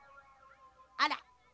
あら。